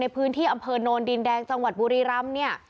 ในพื้นที่อำเภอโนนดินแดงจังหวัดบุรีรำเนี่ย